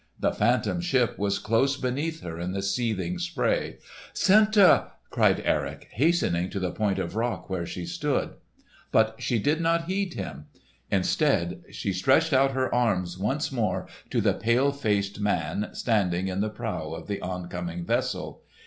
The Phantom Ship was close beneath her in the seething spray. "Senta!" cried Erik, hastening to the point of rock where she stood. But she did not heed him. Instead, she stretched out her arms once more to the pale faced man, standing in the prow of the oncoming vessel.